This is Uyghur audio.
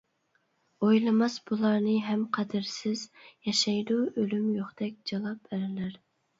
ئويلىماس بۇلارنى ھەم قەدىرسىز، ياشايدۇ ئۆلۈم يوقتەك جالاپ ئەرلەر.